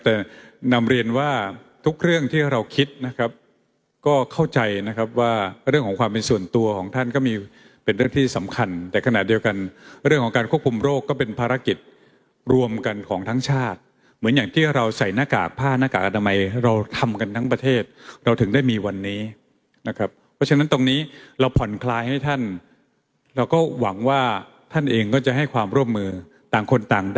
แต่นำเรียนว่าทุกเรื่องที่เราคิดนะครับก็เข้าใจนะครับว่าเรื่องของความเป็นส่วนตัวของท่านก็มีเป็นเรื่องที่สำคัญแต่ขณะเดียวกันเรื่องของการควบคุมโรคก็เป็นภารกิจรวมกันของทั้งชาติเหมือนอย่างที่เราใส่หน้ากากผ้าหน้ากากอนามัยเราทำกันทั้งประเทศเราถึงได้มีวันนี้นะครับเพราะฉะนั้นตรงนี้เราผ่อนคลายให้ท่านเราก็หวังว่าท่านเองก็จะให้ความร่วมมือต่างคนต่างด